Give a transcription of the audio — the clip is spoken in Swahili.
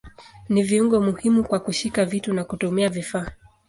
Ni viungo muhimu kwa kushika vitu na kutumia vifaa.